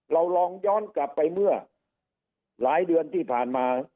เราลองย้อนกลับไปเมื่อหลายเดือนที่ผ่านมา